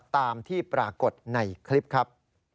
ตามที่ปรากฏในคลิปครับ